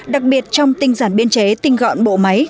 đặc biệt trong tinh giản biên chế tinh gọn bộ máy